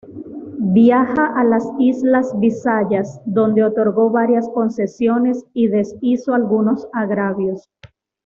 Viaja a las islas Visayas donde otorgó varias concesiones y deshizo algunos agravios.